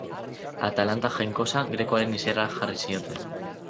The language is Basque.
Atalanta jainkosa grekoaren izena jarri zioten.